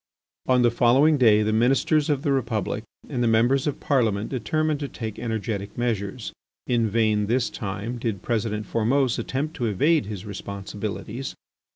On the following day the Ministers of the Republic and the Members of Parliament determined to take energetic measures. In vain, this time, did President Formose attempt to evade his responsibilities.